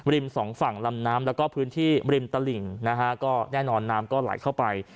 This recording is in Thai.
ริมสองฝั่งลำน้ำแล้วก็พื้นที่ริมตลิ่งนะฮะก็แน่นอนน้ำก็ไหลเข้าไป